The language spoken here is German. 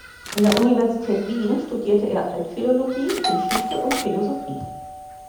An der Universität Wien studierte er Altphilologie, Geschichte und Philosophie.